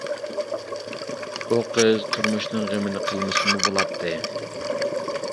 ئۇ قىز تۇرمۇشنىڭ غېمىنى قىلمىسىمۇ بولاتتى.